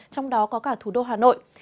trong đó có cả thủ đô hà nội